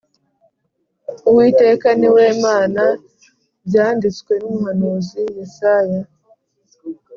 Uwiteka niwe mana byanditswe n’ umuhanuzi Yesaya